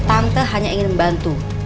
tante hanya ingin membantu